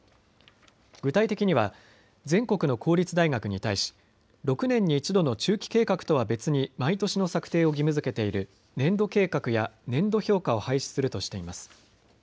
具体的には全国の公立大学に対し６年に１度の中期計画とは別に毎年の策定を義務づけている年度計画や年度評価を廃止するとしています。